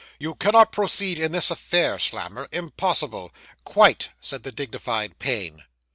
You cannot proceed in this affair, Slammer impossible!' 'Quite!' said the dignified Payne.